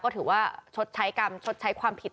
ก็ถือว่าชดใช้กรรมชดใช้ความผิด